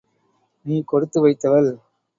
நீ கொடுத்து வைத்தவள்!